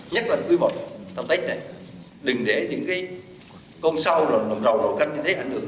nhất là quy mô tâm tích này đừng để những con sao đồng rầu đồng canh như thế ảnh hưởng